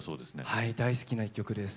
はい大好きな一曲です。